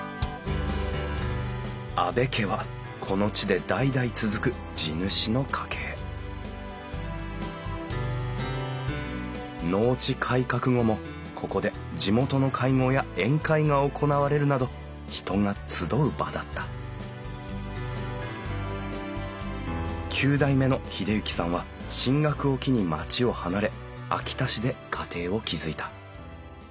阿部家はこの地で代々続く地主の家系農地改革後もここで地元の会合や宴会が行われるなど人が集う場だった９代目の英之さんは進学を機に町を離れ秋田市で家庭を築いた。